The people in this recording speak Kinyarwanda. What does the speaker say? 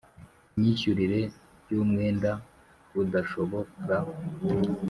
myishyurire y umwenda budashobora